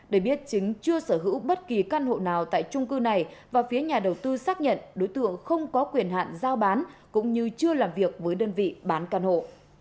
để biết chính chưa sở hữu bất kỳ căn hộ nào tại trung cư này và phía nhà đầu tư xác nhận đối tượng không có quyền hạn giao bán cũng như chưa làm việc với đơn vị bán căn hộ